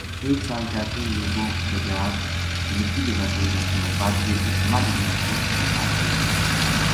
ایک سال چاچو یوبو بجاڑ بر نِکی دیواسئی ما تھو بر یہ اس ماہلی ما خوش خشحال رہیا